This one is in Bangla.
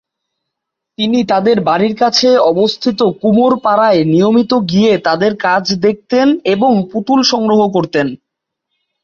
তিনি তাদের বাড়ির কাছে অবস্থিত কুমোরপাড়ায় নিয়মিত গিয়ে তাদের কাজ দেখতেন এবং পুতুল সংগ্রহ করতেন।